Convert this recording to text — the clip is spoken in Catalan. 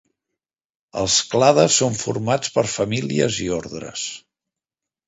Els clades són formats per famílies i ordres.